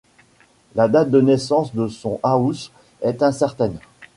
La date de naissance de Son House est incertaine.